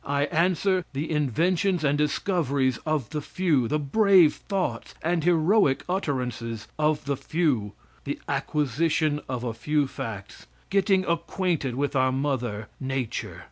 I answer, the inventions and discoveries of the few; the brave thoughts and heroic utterances of the few; the acquisition of a few facts; getting acquainted with our mother, Nature.